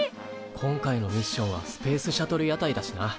今回のミッションはスペースシャトル屋台だしな。